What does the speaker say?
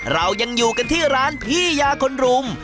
เรายังอยู่กันที่ร้านพี่ยาคนรุม